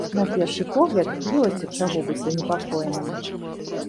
На першы погляд, ёсць ад чаго быць занепакоеным.